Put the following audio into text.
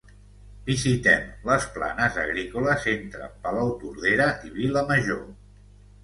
Visitem les planes agrícoles entre Palautordera i Vilamajor